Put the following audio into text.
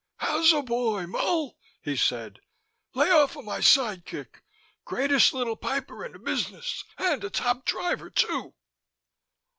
"Howsa boy, Mull?" he said. "Lay offa my sidekick; greatest little piper ina business, and a top driver too."